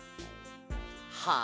はあ？